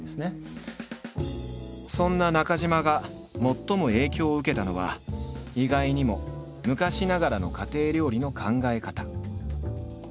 そんな中島が最も影響を受けたのは意外にも昔ながらの家庭料理の考え方。